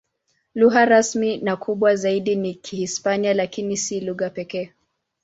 Lugha rasmi na kubwa zaidi ni Kihispania, lakini si lugha pekee.